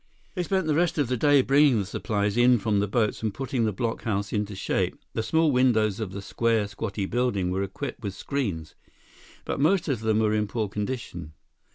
They spent the rest of the day bringing the supplies in from the boats and putting the blockhouse into shape. The small windows of the square, squatty building were equipped with screens, but most of them were in poor condition.